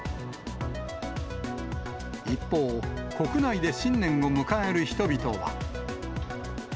一方、国内で新年を迎える人々は。